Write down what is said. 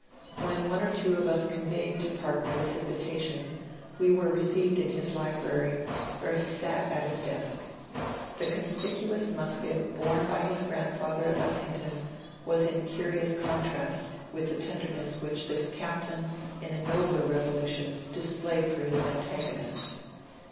When one or two of us conyeyed to Parker this in vitation, we were received in his library, where he sat at his desk. The conspicuous musket borne by his grandfather at Lexington was in curious contrast with the tenderness which this captain in a nobler revolution displayed for his antago nists.